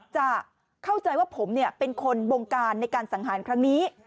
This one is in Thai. จะเข้าใจว่าผมเป็นคนบงการในการสังหารครั้งนี้